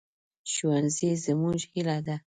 ښوونځی زموږ هیله ده